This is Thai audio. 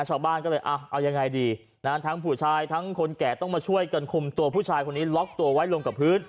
ชาวบ้านก็เลยเอายังไงดีนะฮะทั้งผู้ชายทั้งคนแก่ต้องมาช่วยกันคุมตัวผู้ชายคนนี้ล็อกตัวไว้ลงกับพื้น